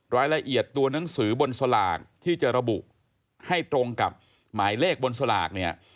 รายละเอียดตัวหนังสือบนสลากที่จะระบุให้ตรงกับหมายเลขบนสลากเนี่ย